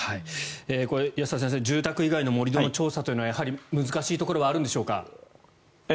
これ、安田先生住宅以外の盛り土の調査は難しいところがあるんでしょうか？